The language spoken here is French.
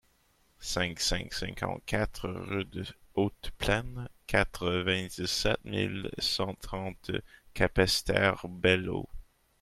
cinq cent cinquante-quatre route de Haute Plaine, quatre-vingt-dix-sept mille cent trente Capesterre-Belle-Eau